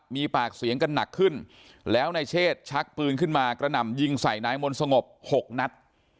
มีปากเสียงกันหนักขึ้นแล้วนายเชษชักปืนขึ้นมากระหน่ำยิงใส่นายมนต์สงบ๖นัด